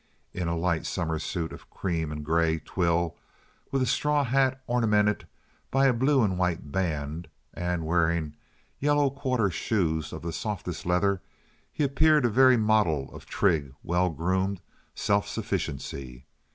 In a light summer suit of cream and gray twill, with a straw hat ornamented by a blue and white band, and wearing yellow quarter shoes of the softest leather, he appeared a very model of trig, well groomed self sufficiency.